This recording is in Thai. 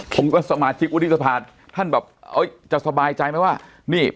ผมกับสมาชิกวุฒิสภาท่านแบบจะสบายใจไหมว่านี่